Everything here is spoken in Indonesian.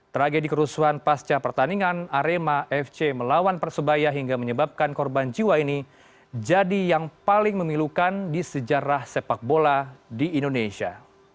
tragedi kerusuhan pasca pertandingan arema fc melawan persebaya hingga menyebabkan korban jiwa ini jadi yang paling memilukan di sejarah sepak bola di indonesia